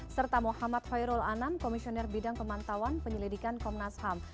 serta muhammad khairul anam komisioner bidang pemantauan penyelidikan komnas ham